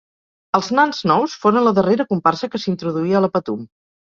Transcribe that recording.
Els Nans Nous foren la darrera comparsa que s'introduí a La Patum.